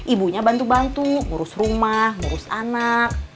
ibunya bantu bantu ngurus rumah ngurus anak